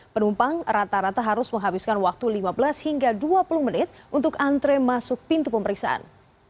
penumpang rata rata harus menghabiskan waktu lima belas hingga dua puluh menit untuk antre masuk pintu pemeriksaan